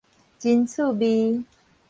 真趣味